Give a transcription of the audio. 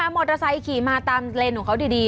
มอเตอร์ไซค์ขี่มาตามเลนของเขาดี